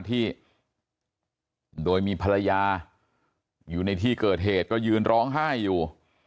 ที่โดยมีภรรยาอยู่ในที่เกิดเหตุก็ยืนร้องไห้อยู่